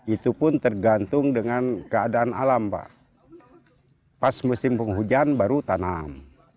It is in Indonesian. itu pun tergantung dengan keadaan alam pak pas musim penghujan baru tanam